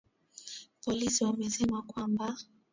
Polisi wamesema kwamba